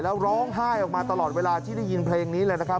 แล้วร้องไห้ออกมาตลอดเวลาที่ได้ยินเพลงนี้เลยนะครับ